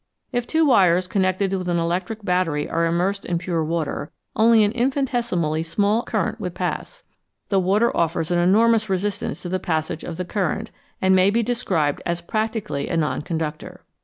If two wires connected with an electric battery were immersed in pure water, only an infinitesi mally small current would pass ; the water offers an enormous resistance to the passage of the current, and may be described as practically a non conductor.